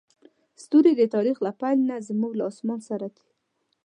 ستوري د تاریخ له پیل نه زموږ له اسمان سره دي.